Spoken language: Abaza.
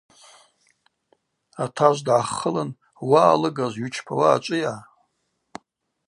Атажв дгӏаххылын – Уа алыгажв, йучпауа ачӏвыйа?